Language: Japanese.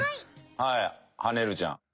はいはねるちゃん。